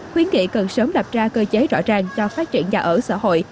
khuyến nghị cần sớm đặt ra cơ chế rõ ràng cho phát triển nhà ở xã hội